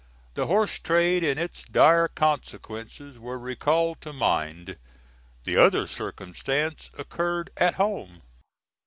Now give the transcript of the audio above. The horse trade and its dire consequences were recalled to mind. The other circumstance occurred at home.